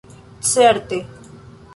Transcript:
Certe